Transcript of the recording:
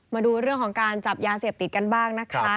มาดูเรื่องของการจับยาเสพติดกันบ้างนะคะ